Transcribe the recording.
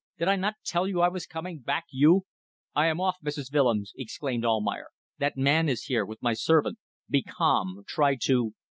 Did I not tell you I was coming back? You ..." "I am off, Mrs. Willems," exclaimed Almayer. "That man is here with my servant. Be calm. Try to